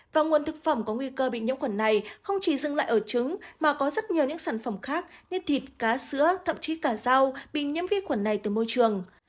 và nguồn thực phẩm có nguy cơ bị nhiễm khuẩn này không chỉ dừng lại ở trứng mà có rất nhiều những sản phẩm khác như thịt cá sữa thậm chí cả rau bị nhiễm vi khuẩn này từ môi trường